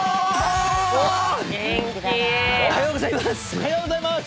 おはようございます！